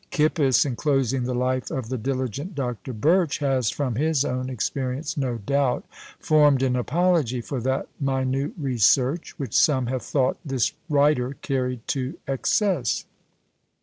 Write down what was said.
Kippis, in closing the life of the diligent Dr. Birch, has, from his own experience, no doubt, formed an apology for that minute research, which some have thought this writer carried to excess.